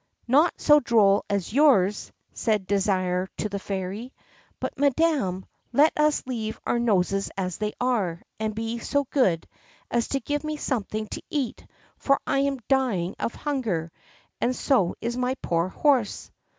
"Not so droll as yours," said Désir to the Fairy; "but, Madam, let us leave our noses as they are, and be so good as to give me something to eat, for I am dying of hunger, and so is my poor horse."